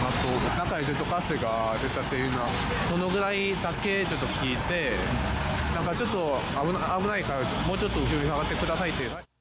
中でガスが出たというのは、そのぐらいだけちょっと聞いて、危ないから、もうちょっと後ろに下がってくださいって。